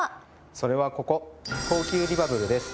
それはここ東急リバブルです。